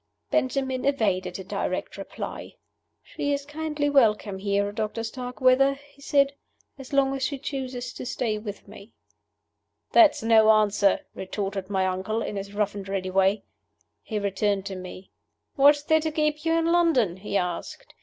Benjamin evaded a direct reply. "She is kindly welcome here, Doctor Starkweather," he said, "as long as she chooses to stay with me." "That's no answer," retorted my uncle, in his rough and ready way. He turned to me. "What is there to keep you in London?" he asked.